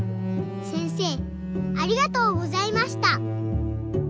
せんせいありがとうございました。